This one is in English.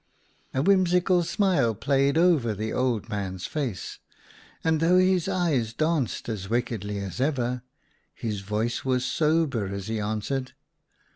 A whimsical smile played over the old mans face, and though his eyes danced as wickedly as ever, his voice was sober as he answered.